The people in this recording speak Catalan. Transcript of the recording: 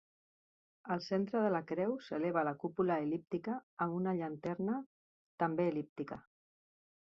Al centre de la creu s'eleva la cúpula el·líptica amb una llanterna també el·líptica.